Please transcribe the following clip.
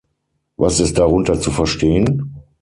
Was ist darunter zu verstehen?